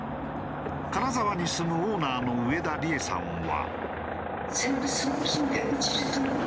金沢に住むオーナーの上田利恵さんは。